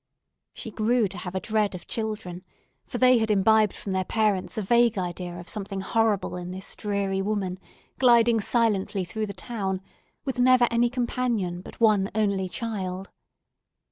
She grew to have a dread of children; for they had imbibed from their parents a vague idea of something horrible in this dreary woman gliding silently through the town, with never any companion but one only child.